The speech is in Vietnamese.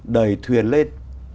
đầy thuyền lên